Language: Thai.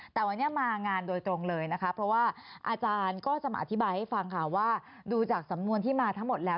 แต่วันนี้มางานโดยตรงเลยนะคะเพราะว่าอาจารย์ก็จะมาอธิบายให้ฟังค่ะว่าดูจากสำนวนที่มาทั้งหมดแล้ว